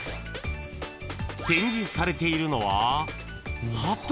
［展示されているのは］